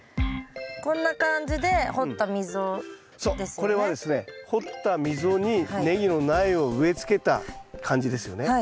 これはですね掘った溝にネギの苗を植えつけた感じですよね。